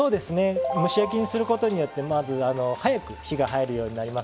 蒸し焼きにすることによって早く火が入るようになります。